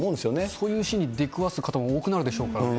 そういうシーンに出くわす方も多くなるでしょうからね。